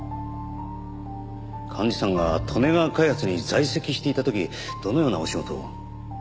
寛二さんが利根川開発に在籍していた時どのようなお仕事を？